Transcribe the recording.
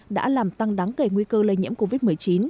đã làm tăng đáng kể nguy cơ lây nhiễm covid một mươi chín